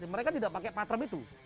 mereka tidak pakai patram itu